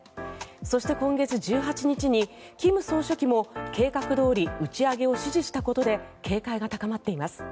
そして今月１８日に金総書記も計画どおり打ち上げを指示したことで警戒が高まっています。